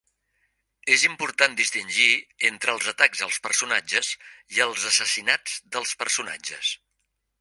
És important distingir entre els atacs als personatges i els assassinats dels personatges.